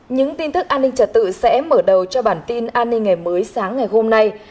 những tin tức an ninh trật tự sẽ mở đầu cho bản tin an ninh ngày mới sáng ngày hôm nay